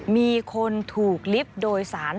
มีคนถูกลิฟต์โดยสาร